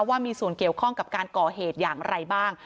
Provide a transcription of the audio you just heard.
ว่ามีส่วนเกี่ยวข้องกับการก่อเหตุอย่างไรบ้าง